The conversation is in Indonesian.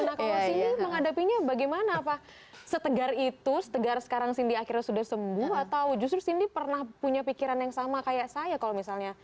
nah kalau cindy menghadapinya bagaimana apa setegar itu setegar sekarang cindy akhirnya sudah sembuh atau justru cindy pernah punya pikiran yang sama kayak saya kalau misalnya